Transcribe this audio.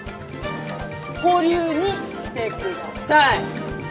保留にして下さい！